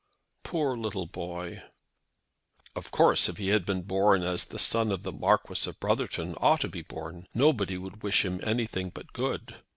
"Poor little boy!" "Of course, if he had been born as the son of the Marquis of Brotherton ought to be born, nobody would wish him anything but good."